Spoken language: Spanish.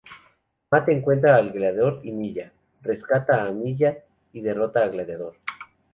Matt encuentra al Gladiador y Milla, rescata a Milla y derrota al Gladiador.